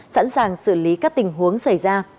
sẵn sàng xử lý các tình huống xảy ra